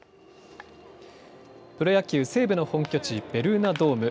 プロ野球西武の本拠地ベルーナドーム。